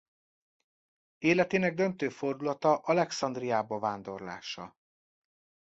Életének döntő fordulata Alexandriába vándorlása.